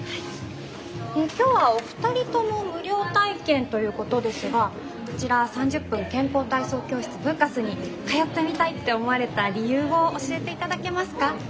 今日はお二人とも無料体験ということですがこちら３０分健康体操教室・ブーカスに通ってみたいって思われた理由を教えて頂けますか。